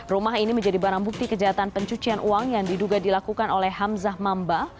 rumah ini menjadi barang bukti kejahatan pencucian uang yang diduga dilakukan oleh hamzah mamba